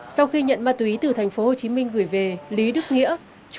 sau khi nhận ma túy từ tp hcm gửi về lý đức nghĩa